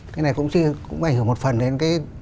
cái này cũng ảnh hưởng một phần đến